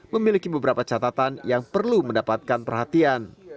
memiliki beberapa catatan yang perlu mendapatkan perhatian